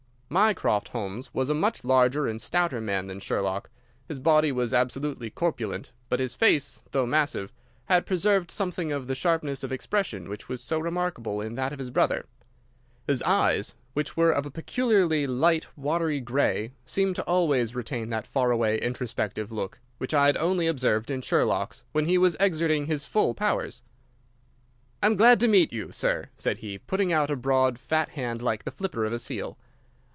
Mycroft Holmes was a much larger and stouter man than Sherlock. His body was absolutely corpulent, but his face, though massive, had preserved something of the sharpness of expression which was so remarkable in that of his brother. His eyes, which were of a peculiarly light, watery grey, seemed to always retain that far away, introspective look which I had only observed in Sherlock's when he was exerting his full powers. "I am glad to meet you, sir," said he, putting out a broad, fat hand like the flipper of a seal.